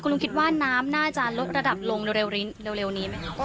คุณลุงคิดว่าน้ำน่าจะลดระดับลงเร็วเร็วนี้ไหม